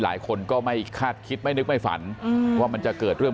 หลายคนก็ไม่คาดคิดไม่นึกไม่ฝันว่ามันจะเกิดเรื่อง